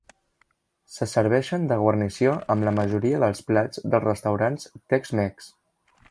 Se serveixen de guarnició amb la majoria dels plats dels restaurants Tex-Mex.